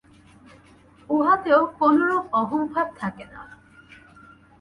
উহাতেও কোনরূপ অহংভাব থাকে না।